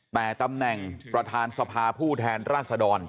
แต่ตำแหน่งประธานสภาผู้แทนราชดร